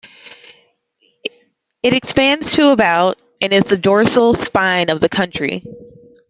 It expands to about and is the dorsal spine of the country.